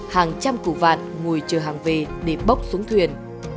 hàng trăm củ vạn ngồi chờ hàng về để bốc xuống thuyền